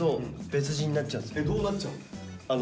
どうなっちゃうの？